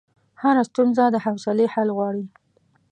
هره ستونزه د حوصلې حل غواړي.